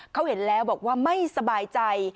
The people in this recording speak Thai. เขาเห็นแล้วบอกว่าไม่สบายใจ